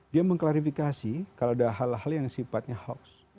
dia mengklarifikasi kalau ada hal hal yang sifatnya hoax